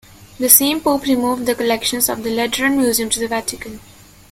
The same pope removed the collections of the Lateran Museum to the Vatican.